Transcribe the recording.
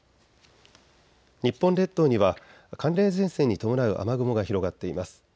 日本列島には寒冷前線に伴う雨雲が広がっています。